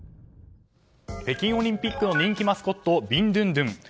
北京オリンピックの人気マスコットビンドゥンドゥン。